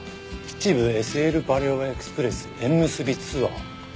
「秩父ＳＬパレオエクスプレス縁結びツアー」。